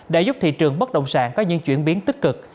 đã giúp thị trường bất động sản có những chuyển biến tích cực